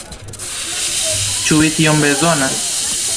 Ĉu vi tion bezonas?